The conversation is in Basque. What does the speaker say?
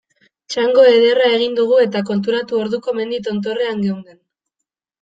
Txango ederra egin dugu eta konturatu orduko mendi tontorrean geunden.